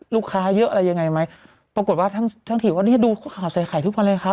ลูกค้าเยอะอะไรยังไงไหมปรากฏว่าท้านที่ว่านี่ดูขาวใส่ขายทุกผันเลยครับ